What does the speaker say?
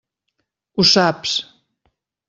Ho saps.